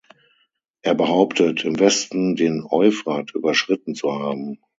Er behauptet, im Westen den Euphrat überschritten zu haben.